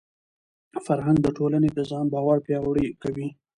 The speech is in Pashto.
فرهنګ د ټولني د ځان باور پیاوړی کوي.